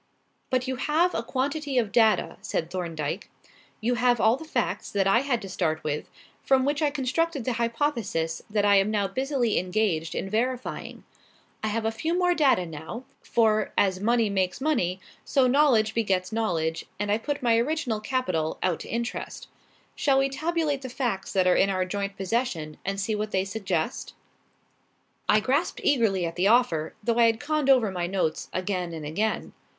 "But you have a quantity of data," said Thorndyke. "You have all the facts that I had to start with, from which I constructed the hypothesis that I am now busily engaged in verifying. I have a few more data now, for 'as money makes money' so knowledge begets knowledge, and I put my original capital out to interest. Shall we tabulate the facts that are in our joint possession and see what they suggest?" I grasped eagerly at the offer, though I had conned over my notes again and again.